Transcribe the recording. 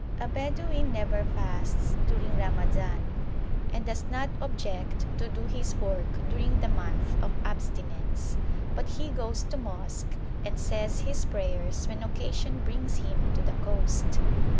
A Bedouin never fasts during Ramazan, and does not object to do his work during the month of abstinence, but he goes to mosque and says his prayers when occasion brings him to the coast.